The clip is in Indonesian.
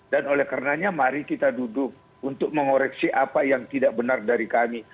dan oleh karenanya mari kita duduk untuk mengoreksi apa yang tidak benar dari kami